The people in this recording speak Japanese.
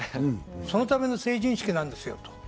そのための成人式なんですよと。